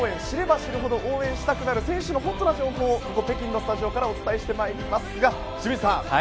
知れば知るほど応援したくなる選手のホットな情報をここ北京のスタジオからお伝えしてまいりますが清水さん。